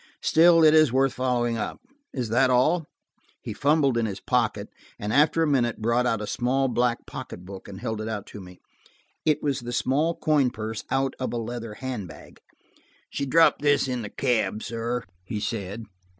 Still it is worth following up. Is that all?" He fumbled in his pocket, and after a minute brought up a small black pocket book and held it out to me. It was the small coin purse out of a leather hand bag. "She dropped this in the cab, sir," he said.